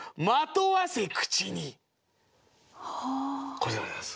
これでございます。